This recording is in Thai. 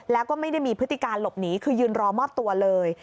แล้วก็ไม่ได้มีพฤติการหลบหนีคือยืนรอมอบตัวเลย